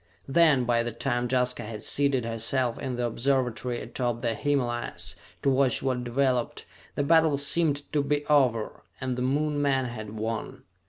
Then, by the time Jaska had seated herself in the observatory atop the Himalayas, to watch what developed, the battle seemed to be over, and the Moon men had won.